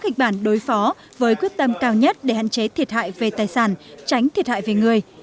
kịch bản đối phó với quyết tâm cao nhất để hạn chế thiệt hại về tài sản tránh thiệt hại về người